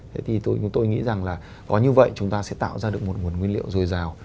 thế thì tôi nghĩ rằng là có như vậy chúng ta sẽ tạo ra được một nguồn nguyên liệu dồi dào